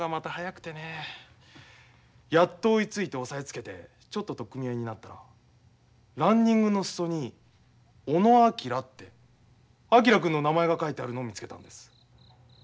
やっと追いついて押さえつけてちょっと取っ組み合いになったらランニングの裾に「小野昭」って昭君の名前が書いてあるのを見つけたんです。